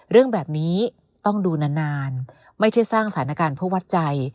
เรื่องแบบนี้ต้องดูนานไม่ใช่สร้างสถานการณ์เพื่อวัดใจ